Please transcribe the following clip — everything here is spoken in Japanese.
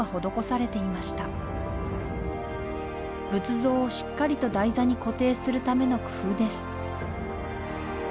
仏像をしっかりと台座に固定するための工夫です